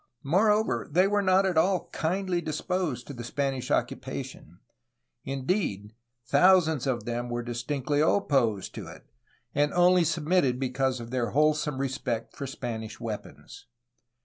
Moreover they were not at all kindly disposed to the Spanish occupation; indeed, thousands of them were distinctly opposed to it, and only submitted because of their wholesome respect for Spanish weapons.